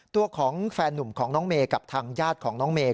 ตัวของแฟนหนุ่มของน้องเมย์กับทางญาติของน้องเมย์